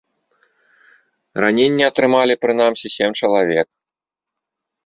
Раненні атрымалі прынамсі сем чалавек.